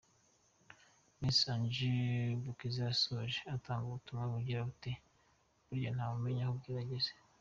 Miss Ange Bukiza yasoje atanga ubutumwa bugira buti: “Burya ntawe umenya aho bwira ageze.